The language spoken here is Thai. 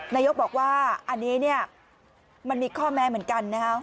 นายกบอกว่าอันนี้เนี่ยมันมีข้อแม้เหมือนกันนะครับ